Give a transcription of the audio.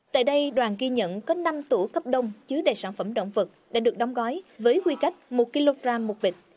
tại đây đoàn ghi nhận có năm tủ cấp đông chứa đầy sản phẩm động vật đã được đóng gói với quy cách một kg một bịch